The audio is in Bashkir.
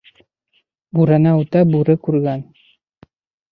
Бүрәнә үтә бүре күргән.